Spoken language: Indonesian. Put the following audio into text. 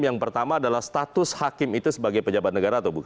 yang pertama adalah status hakim itu sebagai pejabat negara atau bukan